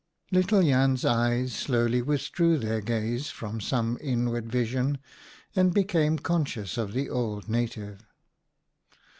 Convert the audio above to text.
Little Jan's eyes slowly withdrew their gaze from some inward vision and became conscious of the old native.